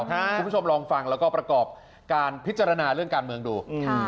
คุณผู้ชมลองฟังแล้วก็ประกอบการพิจารณาเรื่องการเมืองดู